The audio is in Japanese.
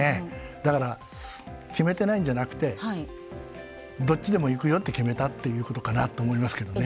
だから決めてないんじゃなくてどっちでもいくよって決めたっていうことかなと思いますけどね。